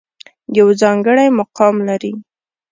يو ځانګړے مقام لري